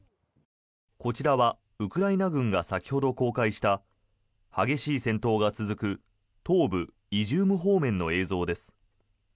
こちらはウクライナ軍が先ほど公開した激しい戦闘が続く東部イジューム方面の映像です。